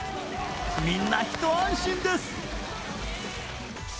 みんなひと安心です。